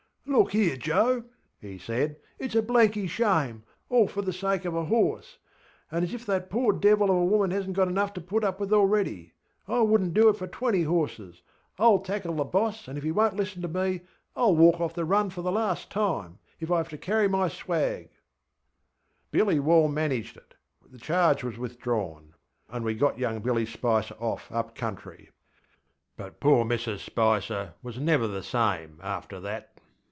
ŌĆśLook here, Joe! ŌĆÖ he said, ŌĆśitŌĆÖs a blanky shame. All for the sake of a horse! And as if that poor devil of a woman hasnŌĆÖt got enough to put up with already! I wouldnŌĆÖt do it for twenty horses. IŌĆÖll tackle the boss, and if he wonŌĆÖt listen to me, IŌĆÖll walk off the run for the last time, if I have to carry my swag. ŌĆÖ Billy Wall managed it. The charge was withdrawn, and we got young Billy Spicer off up country. But poor Mrs Spicer was never the same after that.